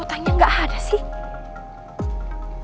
kota nya gak ada sih